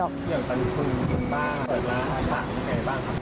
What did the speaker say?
อย่างกันคืนบ้างเปิดแล้วอาหารอย่างไงบ้างครับ